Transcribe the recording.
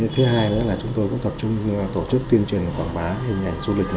thứ hai nữa là chúng tôi cũng tập trung tổ chức tuyên truyền quảng bá hình ảnh du lịch